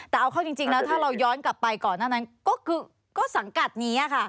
แต่เอาเข้าจริงแล้วถ้าเราย้อนกลับไปก่อนหน้านั้นก็คือก็สังกัดนี้ค่ะ